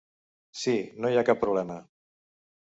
Sí, no hi ha cap problema.